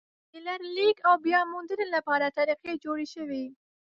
د لړلیک او بیا موندنې لپاره طریقې جوړې شوې.